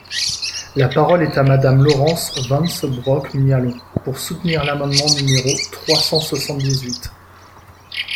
La parole est à Madame Laurence Vanceunebrock-Mialon, pour soutenir l’amendement numéro trois cent soixante-dix-huit.